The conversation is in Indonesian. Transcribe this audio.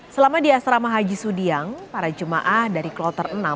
selama di asrama haji sudiang para jemaah dari kloter enam